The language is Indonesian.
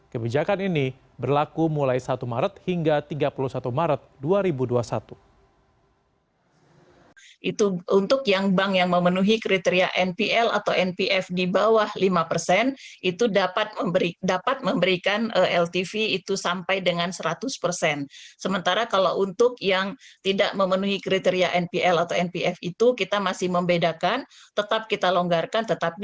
kebijakan ini berlaku mulai satu maret hingga tiga puluh satu maret